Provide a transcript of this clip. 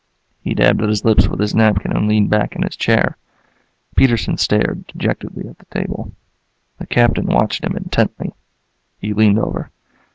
He dabbed at his lips with his napkin and leaned back in his chair. Peterson stared dejectedly at the table. The Captain watched him intently. He leaned over.